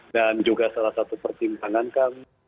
dan juga salah satu pertimbangan kang